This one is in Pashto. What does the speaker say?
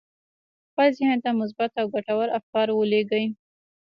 خپل ذهن ته مثبت او ګټور افکار ولېږئ.